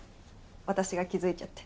私が気づいちゃって。